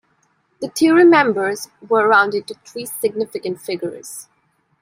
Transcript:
The Thury numbers were rounded to three significant figures.